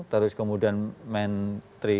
terus kemudian menteri